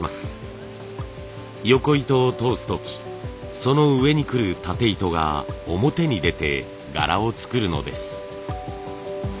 よこ糸を通す時その上にくるたて糸が表に出て柄を作るのです。